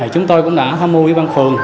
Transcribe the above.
chúng tôi cũng đã tham mưu với bang phường